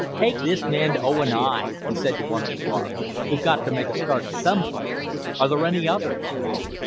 "Take this man to O. & I.," he said to one of the guards. "We've got to make a start some place. Are there any others?"